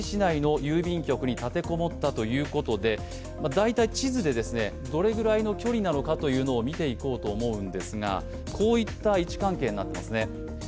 大体地図で、どれくらいの距離なのかというのを見ていこうと思いますが、こういった位置関係になっています。